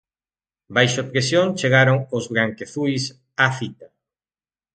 Baixo presión chegaron os branquiazuis á cita.